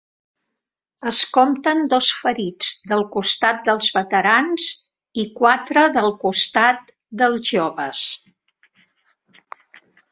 Es compten dos ferits del costat dels veterans i quatre del costat dels joves.